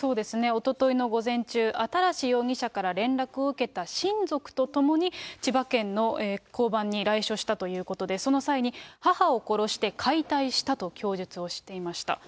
おとといの午前中、新容疑者から連絡を受けた親族と共に千葉県の交番に来署したということで、その際に、母を殺して解体したと供述をしていました。